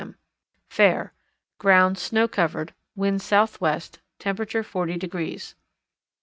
M. Fair; ground snow covered; wind southwest; temperature 40 degrees.